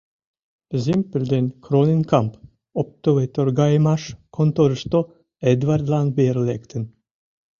“Зимпель ден Кроненкамп” оптовый торгайымаш конторышто Эдвардлан вер лектын.